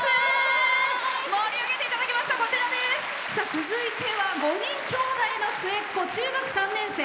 続いては５人きょうだいの末っ子、中学３年生。